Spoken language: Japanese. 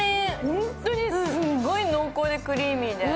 本当にすんごい濃厚でクリーミーで。